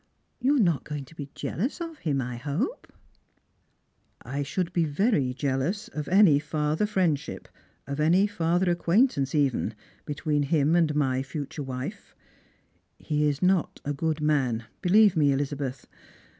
You are not going to be jealous of him, I hope ?" "I should be very jealous of any farther friendship, of any farther acquaintance even, between him and my future wife. He is not a good man, believe me, Elizabeth.